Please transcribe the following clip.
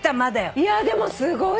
いやでもすごいよ。